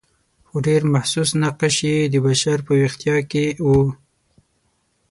خو ډېر محسوس نقش یې د بشر په ویښتیا کې و.